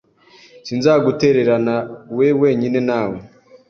Sinzagutereranawe wenyine nawe .